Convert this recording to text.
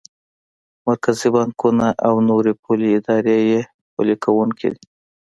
مرکزي بانکونه او نورې پولي ادارې یې پلي کوونکی دي.